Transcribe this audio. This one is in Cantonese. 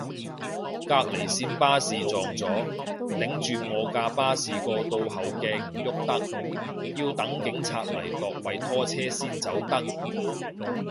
隔離線巴士撞咗，頂住我架巴士個倒後鏡唔郁得，要等警察嚟度位拖車先走得